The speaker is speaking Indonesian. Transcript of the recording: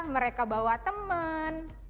mereka bawa temen